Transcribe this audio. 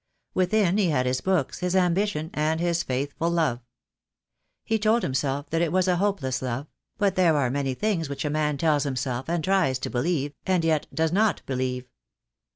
Within he had his books, his ambition, and his faithful love. He told himself that it was a hopeless love; but there are many things which a man tells him self, and tries to believe, and yet does not believe.